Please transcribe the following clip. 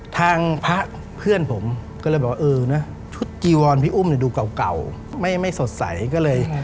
ทางพระเพื่อนผมก็เลยบอกเออนะชุดจีวอนพี่อุ้มเนี่ยดูเก่าไม่สดใสก็เลย